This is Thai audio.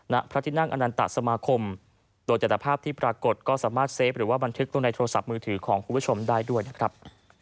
ณพระที่นั่งอนันตสมาคมโดยจัตรภาพที่ปรากฏก็สามารถเฟฟหรือว่าบันทึกตรงในโทรศัพท์มือถือของคุณผู้ชมได้ด้วยนะครับ